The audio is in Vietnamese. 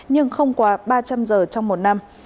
nhưng không quá ba trăm linh giờ trong một năm